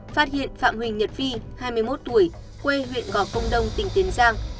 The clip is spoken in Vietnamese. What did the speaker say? phát hiện phạm huỳnh nhật phi hai mươi một tuổi quê huyện gò công đông tỉnh tiến giang